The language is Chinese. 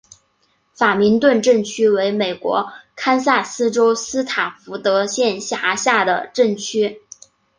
法明顿镇区为美国堪萨斯州斯塔福德县辖下的镇区。